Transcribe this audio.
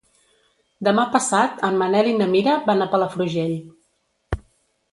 Demà passat en Manel i na Mira van a Palafrugell.